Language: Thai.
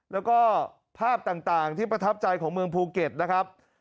แล้วก็ภาพต่างที่ประทับใจของเมืองภูเก็ตนะครับ